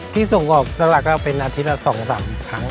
ที่ส่งออกสลากก็เป็นอาทิตย์ละ๒๓ครั้ง